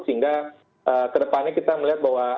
sehingga ke depannya kita melihat bahwa